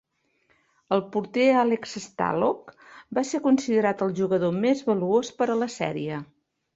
El porter Alex Stalock va ser considerat el jugador més valuós per a la sèrie.